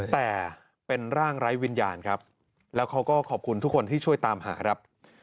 แต่เป็นร่างไร้วิญญาณครับแล้วเขาก็ขอบคุณทุกคนที่ช่วยตามหาครับ